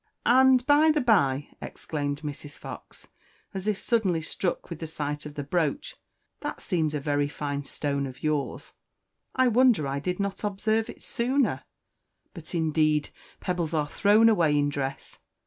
"And, by the bye," exclaimed Mrs. Fox, as if suddenly struck with the sight of the brooch, "that seems a very fine stone of yours. I wonder I did not observe it sooner; but, indeed, pebbles are thrown away in dress.